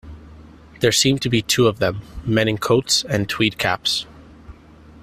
There seemed to be two of them, men in coats and tweed caps.